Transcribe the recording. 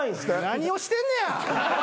何をしてんねや！